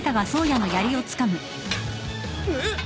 えっ？